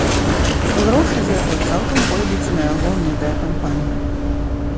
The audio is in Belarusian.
Грошы з яго цалкам пойдуць на яго медыя-кампанію.